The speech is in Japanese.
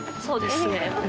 そうですね。